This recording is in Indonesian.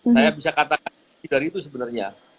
saya bisa katakan tidak itu sebenarnya